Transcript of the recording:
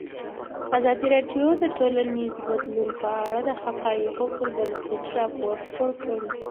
ازادي راډیو د ټولنیز بدلون په اړه د حقایقو پر بنسټ راپور خپور کړی.